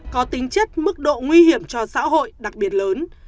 có tính chất mức độ nguy hiểm cho xã hội đặc biệt lớn